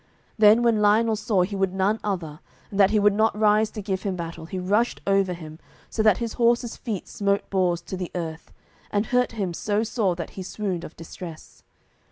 Then when Lionel saw he would none other, and that he would not rise to give him battle, he rushed over him, so that his horse's feet smote Bors to the earth, and hurt him so sore that he swooned of distress.